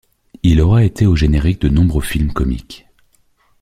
Il aura été au générique de nombreux films comiques.